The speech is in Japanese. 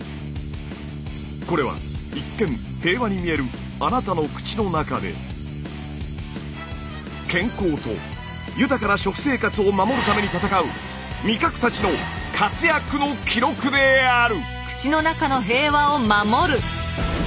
これは一見平和に見えるあなたの口の中で健康と豊かな食生活を守るために戦う味覚たちの活躍の記録である！